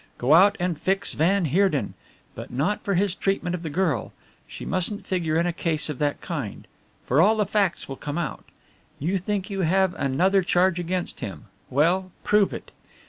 Go out and fix van Heerden, but not for his treatment of the girl she mustn't figure in a case of that kind, for all the facts will come out. You think you have another charge against him; well, prove it.